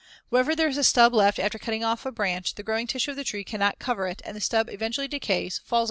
Wherever there is a stub left after cutting off a branch, the growing tissue of the tree cannot cover it and the stub eventually decays, falls out and leaves a hole (see Fig.